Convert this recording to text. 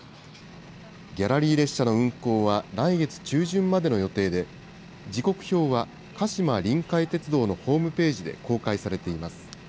ギャラリー列車の運行は来月中旬までの予定で、時刻表は鹿島臨海鉄道のホームページで公開されています。